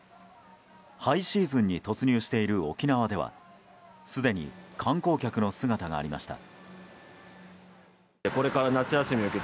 ハイシーズンに突入している沖縄ではすでに観光客の姿がありました。